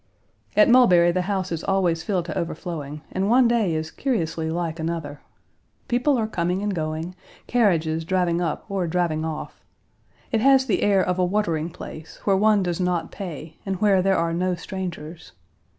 At Mulberry the house is always filled to overflowing, and one day is curiously like another. People are coming and going, carriages driving up or driving off. It has the air of a watering place, where one does not pay, and where there are no strangers.